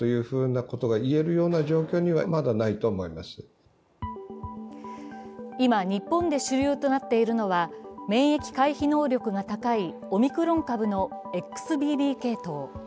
一方、松本教授は今、日本で主流となっているのは免疫回避能力が高いオミクロン株のＸＢＢ系統。